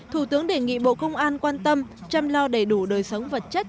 thủ tướng đề nghị bộ công an quan tâm chăm lo đầy đủ đời sống vật chất